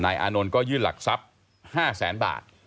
อานนท์ก็ยื่นหลักทรัพย์๕แสนบาท